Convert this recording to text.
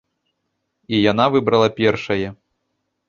І яна выбрала першае.